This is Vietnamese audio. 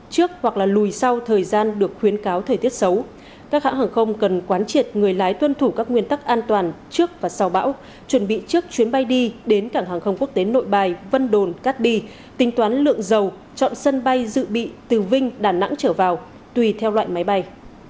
trước hoặc lùi sau thời gian được khuyến cáo thời tiết xấu các hãng hàng không cần quán triệt người lái tuân thủ các nguyên tắc an toàn trước và sau bão chuẩn bị trước chuyến bay đi đến cảng hàng không quốc tế nội bài vân đồn cát bi tính toán lượng dầu chọn sân bay dự bị từ vinh đà nẵng trở vào tùy theo loại máy bay